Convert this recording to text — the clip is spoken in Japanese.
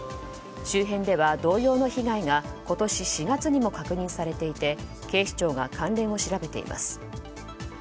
周辺では同様の被害が今年４月にも確認されていて警視庁が関連を調べています。